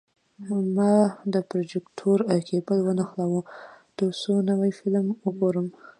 ما د پروجیکتور کیبل ونښلاوه، ترڅو نوی فلم وګورم.